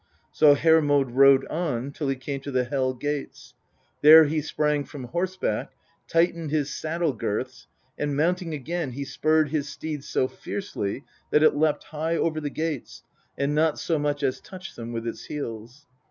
So Hermod rode on till he came to the Hel gates. There he sprang from horseback, tightened his saddle girths, and mounting again he spurred his steed so fiercely that it leapt high over the gates, and not so much as touched them with its heels.